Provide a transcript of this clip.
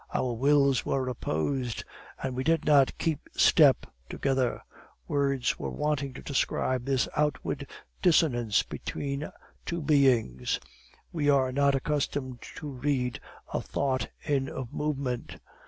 Our wills were opposed, and we did not keep step together. Words are wanting to describe this outward dissonance between two beings; we are not accustomed to read a thought in a movement.